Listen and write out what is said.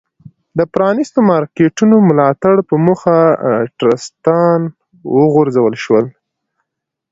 د پ رانیستو مارکېټونو ملاتړ په موخه ټرستان وغورځول شول.